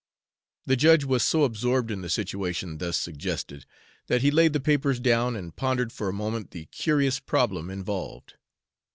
The judge was so absorbed in the situation thus suggested that he laid the papers down and pondered for a moment the curious problem involved.